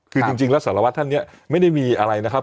คือจริงแล้วสารวัตรท่านเนี่ยไม่ได้มีอะไรนะครับ